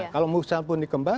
kalau musim pun dikembangkan